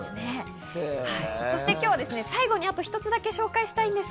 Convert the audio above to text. そして今日は最後に、あと一つだけ紹介したいんです。